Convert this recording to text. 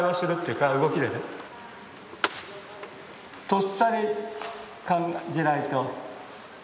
とっさに感じないと。